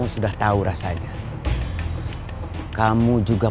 jadi kamu harus mengungkur untuk baik